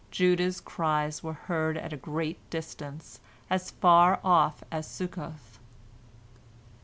Judah's cries were heard at a great distance, as far off as Succoth.